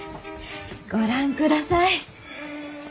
ご覧ください。